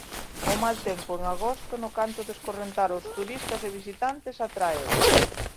O mal tempo en agosto no canto de escorrentar aos turistas e visitantes, atráeos.